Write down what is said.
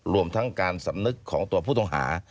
รวมทั้งการสำนึกของตัวผู้ต้องหา